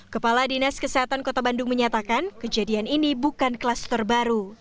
kepala dinas kesehatan kota bandung menyatakan kejadian ini bukan kluster baru